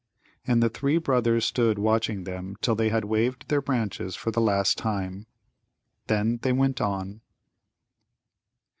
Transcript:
And the three brothers stood watching them till they had waved their branches for the last time. Then they went on.